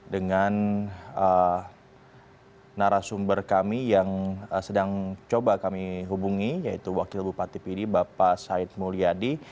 dengan narasumber kami yang sedang coba kami hubungi yaitu wakil bupati pidi bapak said mulyadi